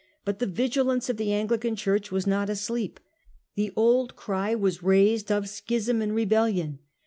But the vigilance of the Anglican Church was not asleep. The old cry was raised of * schism and rebellion.